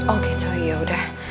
oh gitu yaudah